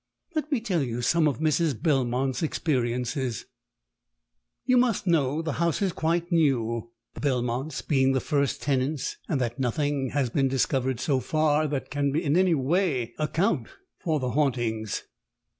Let me tell you some of Mrs. Belmont's experiences. "You must know the house is quite new, the Belmont's being the first tenants, and that nothing has been discovered, so far, that can in any way account for the hauntings.